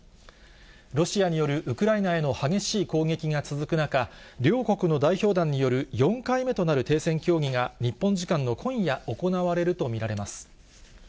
ロシアによるウクライナへの激しい攻撃が続く中、両国の代表団による４回目となる停戦協議が、日本時間の今夜、行われると見られます。